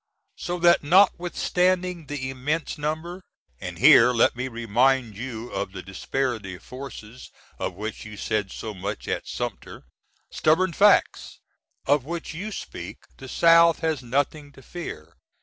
So that notwithstanding the immense number (and here let me remind you of the disparity of forces, of which you said so much, at Sumter) "stubborn facts" of which you speak, the South has nothing to fear.